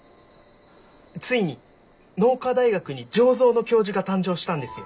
ついに農科大学に醸造の教授が誕生したんですよ。